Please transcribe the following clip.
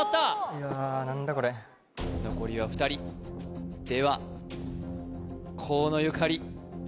いやー何だこれ残りは２人では河野ゆかり